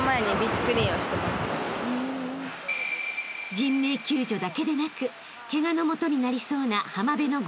［人命救助だけでなくケガのもとになりそうな］